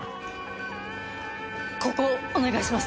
ここをお願いします